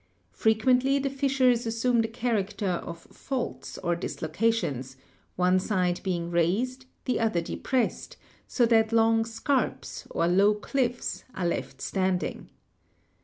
Frequently the fissures assume the character of 'faults/ or dislocations, one side being raised, the other depressed, so that long 'scarps,' or low cliffs, are left stand ing.